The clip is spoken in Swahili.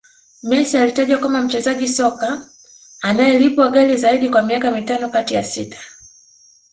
Messi alitajwa kama mchezaji soka anayelipwa ghali Zaidi kwa miaka mitano kati ya sita